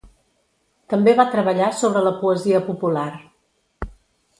També va treballar sobre la poesia popular.